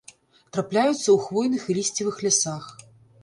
Трапляюцца ў хвойных і лісцевых лясах.